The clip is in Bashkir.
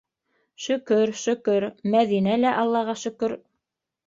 Шөкөр, шөкөр, Мәҙинә лә - аллаға шөкөр.